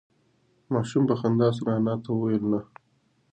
ماشوم په خندا سره انا ته وویل نه.